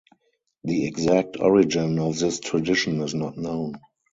The exact origin of this tradition is not known.